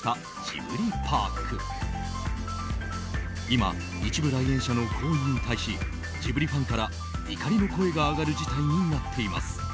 今、一部の来園者の行為に対しジブリファンから怒りの声が上がる事態になっています。